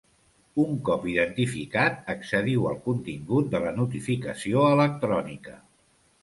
Un cop identificat, accediu al contingut de la notificació electrònica.